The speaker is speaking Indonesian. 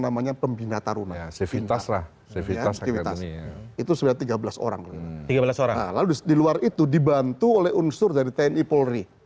namanya pembina taruna tiga belas orang lalu di luar itu dibantu oleh unsur dari tni polri